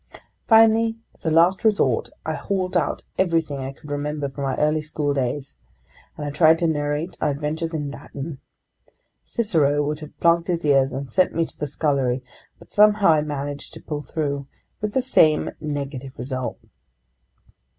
Finally, as a last resort, I hauled out everything I could remember from my early schooldays, and I tried to narrate our adventures in Latin. Cicero would have plugged his ears and sent me to the scullery, but somehow I managed to pull through. With the same negative result.